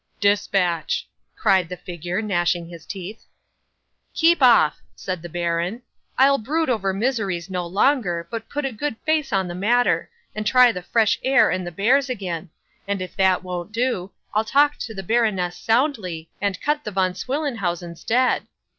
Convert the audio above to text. '"Dispatch," cried the figure, gnashing his teeth. '"Keep off!" said the baron. 'I'll brood over miseries no longer, but put a good face on the matter, and try the fresh air and the bears again; and if that don't do, I'll talk to the baroness soundly, and cut the Von Swillenhausens dead.